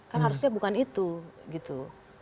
kan harusnya bukan itu gitu